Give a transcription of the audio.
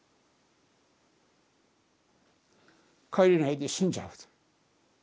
帰れないで死んじゃうんです。